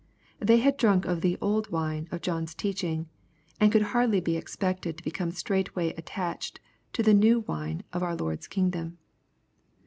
They had drunk of the "old wine" of John's teaching, and could hardly be expected to become straightway attached to the " new wine" of our Lord's kingdom.